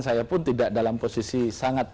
saya pun tidak dalam posisi sangat